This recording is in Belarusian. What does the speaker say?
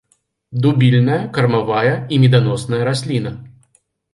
Дубільная, кармавая і меданосная расліна.